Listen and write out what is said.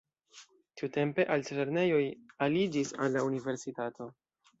Tiutempe altlernejoj aliĝis al la universitato.